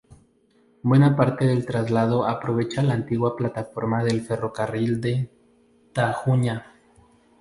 Buena parte del trazado aprovecha la antigua plataforma del Ferrocarril del Tajuña.